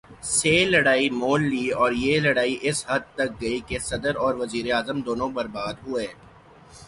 سے لڑائی مول لی اور یہ لڑائی اس حد تک گئی کہ صدر اور وزیر اعظم دونوں برباد ہوئے۔